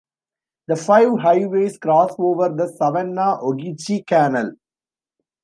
The five highways cross over the Savannah-Ogeechee Canal.